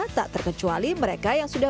tak terkecuali mereka yang sudah